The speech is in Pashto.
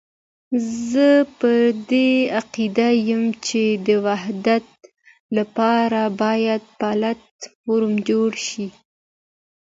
زه پر دې عقيده یم چې د وحدت لپاره باید پلاټ فورم جوړ شي.